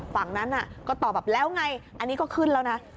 ฝั่งนั้นก็ตอบแบบแล้วไงอันนี้ก็ขึ้นแล้วนะ